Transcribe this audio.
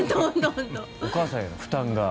お母さんへの負担が。